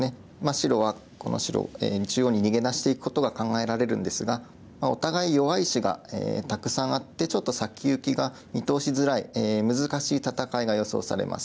白はこの白中央に逃げ出していくことが考えられるんですがお互い弱い石がたくさんあってちょっと先行きが見通しづらい難しい戦いが予想されます。